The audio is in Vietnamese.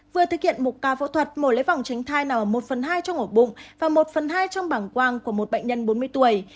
vừa thực hiện một ca phẫu thuật mở lấy vòng tránh thai nào ở một phần hai trong ổ bụng và một phần hai trong bảng quang của một bệnh nhân bốn mươi tuổi